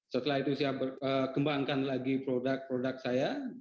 setelah itu saya kembangkan lagi produk produk saya